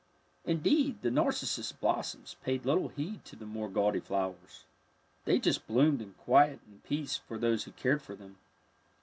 Indeed, the narcissus blossoms paid little heed to the more gaudy flowers. They just bloomed in quiet and peace for those who cared for them.